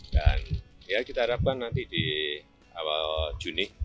dan ya kita harapkan nanti di awal juni